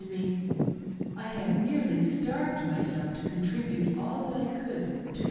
to me :" I have nearly starved myself to contribute all that I could to the.